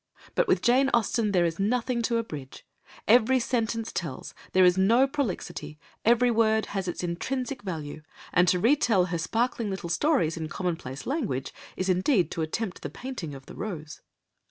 But with Jane Austen there is nothing to abridge, every sentence tells, there is no prolixity, every word has its intrinsic value, and to retell her sparkling little stories in commonplace language is indeed to attempt the painting of the rose.